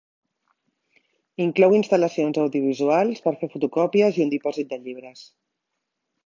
Inclou instal·lacions audiovisuals, per fer fotocòpies i un dipòsit de llibres.